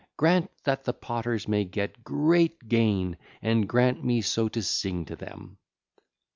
Grant that the potters may get great gain and grant me so to sing to them.